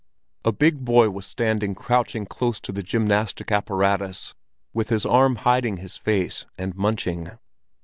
A big boy was standing crouching close to the gymnastic apparatus, with his arm hiding his face, and munching.